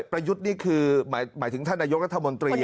ประยุทธ์นี่คือหมายถึงท่านนายกรัฐมนตรี